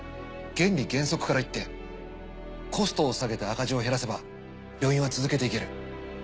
原理原則から言ってコストを下げて赤字を減らせば病院は続けていける。